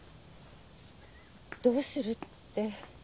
どうするって。